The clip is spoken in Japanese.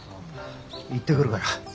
行ってくるから。